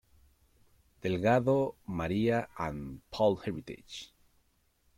Delgado, Maria M., and Paul Heritage.